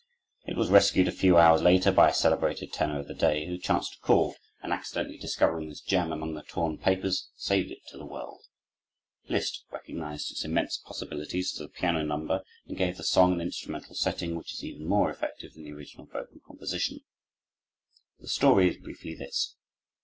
It was rescued a few hours later by a celebrated tenor of the day, who chanced to call, and accidentally discovering this gem among the torn papers, saved it to the world. Liszt recognized its immense possibilities as a piano number and gave the song an instrumental setting which is even more effective than the original vocal composition. The story is briefly this.